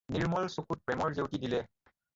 নিৰ্ম্মল চকুত প্ৰেমৰ জেউতি দিলে।